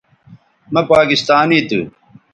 مہ پاکستانی تھو